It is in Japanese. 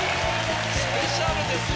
スペシャルですよ！